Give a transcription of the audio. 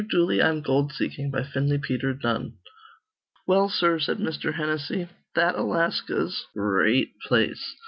DOOLEY ON GOLD SEEKING BY FINLEY PETER DUNNE "Well, sir," said Mr. Hennessy, "that Alaska's th' gr reat place.